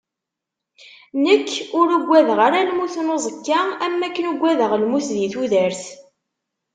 Nekk ur uggadeɣ ara lmut n uẓekka am wakken uggadeɣ lmut di tudert.